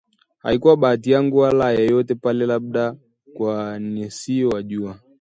Haikuwa bahati yangu wala ya yeyote pale labda kwa nisio wajua